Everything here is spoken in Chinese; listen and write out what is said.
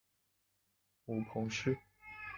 母彭氏。